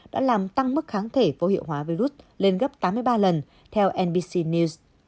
đã làm tăng mức kháng thể vô hiệu hóa virus lên gấp tám mươi ba lần theo nbc news